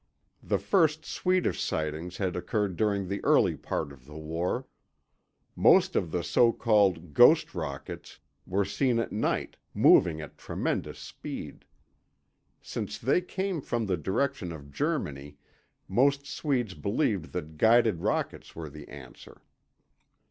The first Swedish sightings had occurred during the early part of the war. Most of the so called "ghost rockets" were seen at night, moving at tremendous speed. Since they came from the direction of Germany, most Swedes believed that guided rockets were the answer.